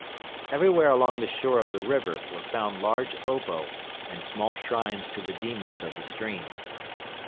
Everywhere along the shore of the river were found large obo and small shrines to the demons of the stream.